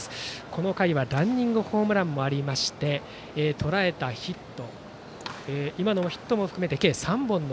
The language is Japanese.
この回はランニングホームランもありとらえたヒットは計３本です。